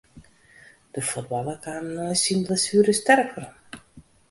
De fuotballer kaam nei syn blessuere sterk werom.